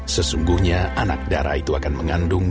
sesungguhnya anak darah itu akan mengandung